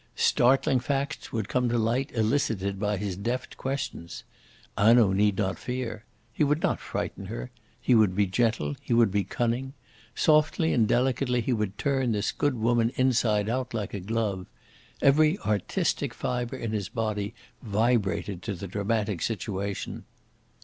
Startling facts would come to light elicited by his deft questions. Hanaud need not fear. He would not frighten her. He would be gentle, he would be cunning. Softly and delicately he would turn this good woman inside out, like a glove. Every artistic fibre in his body vibrated to the dramatic situation.